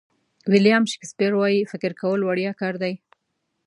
ویلیام شکسپیر وایي فکر کول وړیا کار دی.